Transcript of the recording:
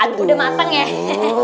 aduh udah matang ya